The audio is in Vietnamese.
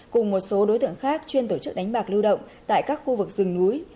cùng một số đối tượng khác chuyên tổ chức đánh bạc lưu động tại các khu vực rừng núi